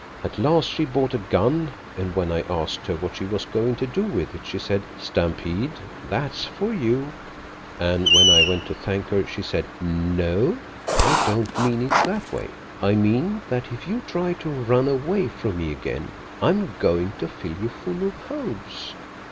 At last she bought a gun, and when I asked her what she was goin' to do with it, she said, 'Stampede, that's for you,' an' when I went to thank her, she said: 'No, I don't mean it that way. I mean that if you try to run away from me again I'm going to fill you full of holes.